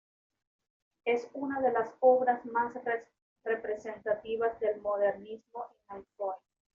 Es una de las obras más representativas del modernismo en Alcoy.